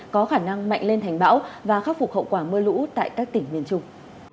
có khả năng mạnh lên thành bão và khắc phục hậu quả mưa lũ tại các tỉnh miền trung